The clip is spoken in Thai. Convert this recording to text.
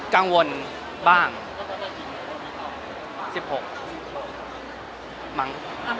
กังวลบ้าง๑๖มั้ง